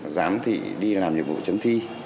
giám thì đi làm nhiệm vụ chấm thi